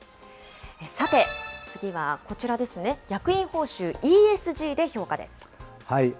さて、次はこちらですね、役員報酬、ＥＳＧで評価です。